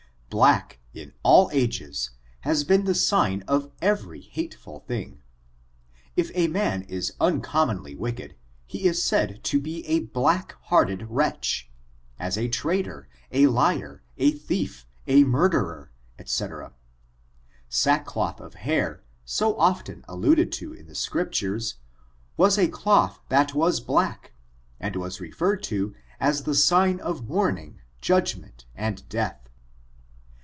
Black, in all ages, has been the sign of every natcful thing. If a man is uncommonly wicked, he is said to be a blade hearted wretch, as a traitor, a liar, a thief, a murderer, &c. Sackcloth of hair, so often alluded to in the Scriptures, was a cloth that was black, and was referred to as the sign of mourning, judgment, and death.